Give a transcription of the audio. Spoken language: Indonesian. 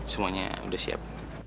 semuanya udah siap